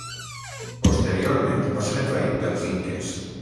Posteriorment va ser envaït pels inques.